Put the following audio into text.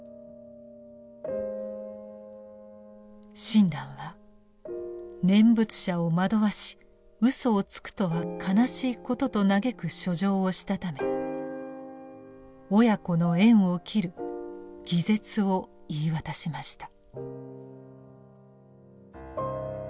親鸞は「念仏者を惑わしうそをつくとは悲しいこと」と嘆く書状をしたため親子の縁を切る「義絶」を言い渡しました。